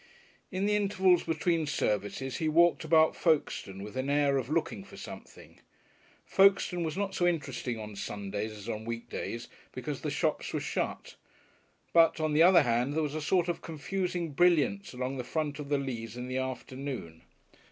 In the intervals between services he walked about Folkestone with an air of looking for something. Folkestone was not so interesting on Sundays as on week days, because the shops were shut; but on the other hand there was a sort of confusing brilliance along the front of the Leas in the afternoon.